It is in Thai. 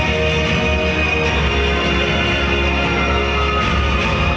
เมื่อเวลาอันดับสุดท้ายมันกลายเป้าหมายเป้าหมาย